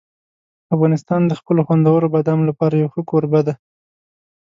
افغانستان د خپلو خوندورو بادامو لپاره یو ښه کوربه دی.